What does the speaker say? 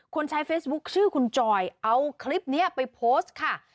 ใช้เฟซบุ๊คชื่อคุณจอยเอาคลิปนี้ไปโพสต์ค่ะ